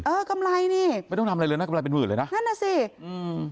กำไรนี่ไม่ต้องทำอะไรเลยนะกำไรเป็นหมื่นเลยนะนั่นน่ะสิอืม